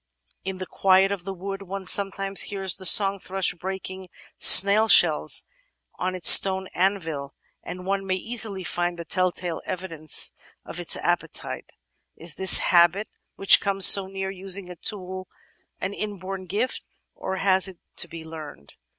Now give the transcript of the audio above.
"In the quiet of the wood one sometimes . hears the song thrush breaking snail shells on its stone anvil, and one may easily find the telltale evidences of its appetite. Is this habit, which comes so near using a tool, an inborn gift or has it to be learned?